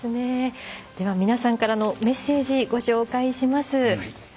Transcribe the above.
皆さんからのメッセージご紹介します。